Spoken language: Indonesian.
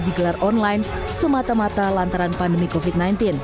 digelar online semata mata lantaran pandemi covid sembilan belas